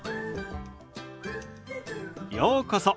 ようこそ。